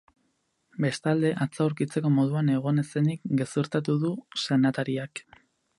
Bestalde, atzo aurkitzeko moduan egon ez zenik gezurtatu du senatariak.